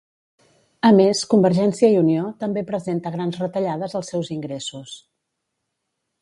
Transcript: A més, Convergiència i Unió també presenta grans retallades als seus ingressos.